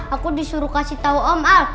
aku disuruh kasih tau om